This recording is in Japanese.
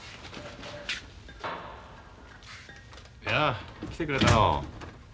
やあ来てくれたの。